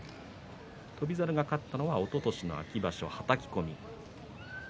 翔猿が勝ったのがおととしの秋場所、はたき込み。